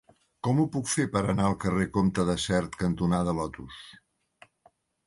Com ho puc fer per anar al carrer Comte de Sert cantonada Lotus?